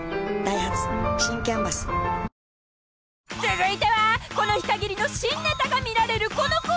［続いてはこの日かぎりの新ネタが見られるこのコーナー］